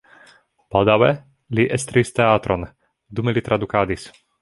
Baldaŭe li estris teatron, dume li tradukadis.